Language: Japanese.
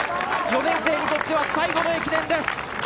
４年生にとっては最後の駅伝です。